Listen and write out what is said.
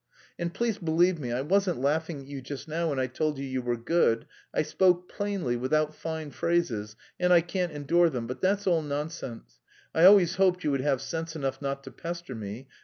"And please believe me, I wasn't laughing at you just now when I told you you were good. I spoke plainly, without fine phrases and I can't endure them. But that's all nonsense. I always hoped you would have sense enough not to pester me....